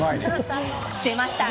出ました！